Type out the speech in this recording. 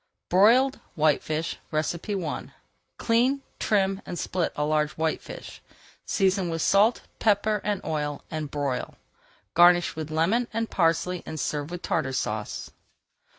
BROILED WHITEFISH I Clean, trim, and split a large whitefish, season with salt, pepper, and oil, and broil. Garnish with lemon and parsley and serve with Tartar Sauce.